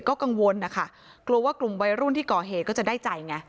ก็กังวลนะคะกลัวว่ากลุ่มวัยรุ่นที่ก่อเหตุก็จะได้ใจไง